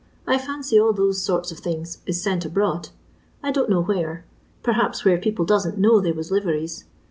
I fancy all thote lort of thingi if lent abroad. I don't know where. Perhaps where people doesn't know they was liveries.